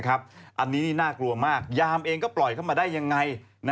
อันนี้น่ากลัวมากยามเองก็ปล่อยเข้ามาได้ยังไง